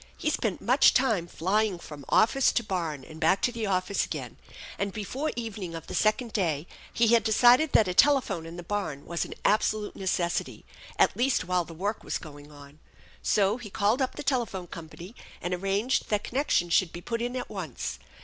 He spent much time flying from office to barn and back to the office again, and before evening of the second day he had decided that a telephone in the barn was an absolute necessity^ at least while the work was going on. So he called up the telephone company, and arranged that connection should be put in at once.